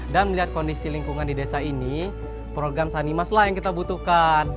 dan melihat kondisi lingkungan di desa ini program sanimas lah yang kita butuhkan